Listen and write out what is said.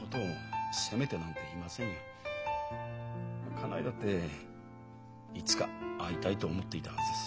家内だっていつか会いたいと思っていたはずです。